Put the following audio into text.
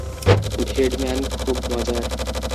ভেড man খুব মজার।